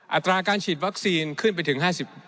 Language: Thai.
อัตราการฉีดวัคซีนขึ้นไปถึง๕๘